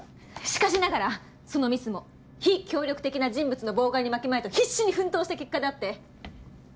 しかしながらそのミスも非協力的な人物の妨害に負けまいと必死に奮闘した結果であってその努力は認めざるをえません。